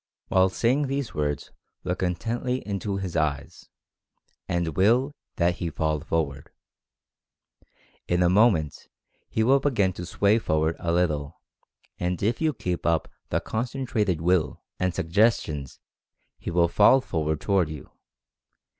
While saying these words look intently into his eyes, and WILL that he fall forward. In a moment he will begin to sway forward a little, and if you keep up the concentrated WILL, and suggestions he will fall for ward toward you.